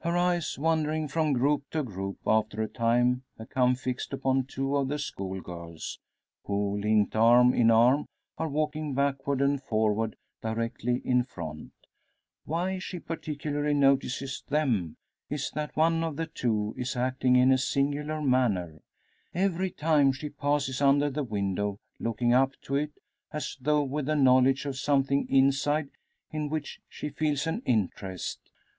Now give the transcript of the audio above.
Her eyes wandering from group to group, after a time become fixed upon two of the school girls; who linked arm in arm are walking backward and forward, directly in front. Why she particularly notices them, is that one of the two is acting in a singular manner; every time she passes under the window looking up to it, as though with a knowledge of something inside in which she feels an interest!